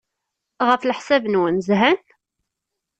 Ɣef leḥsab-nwen, zhan?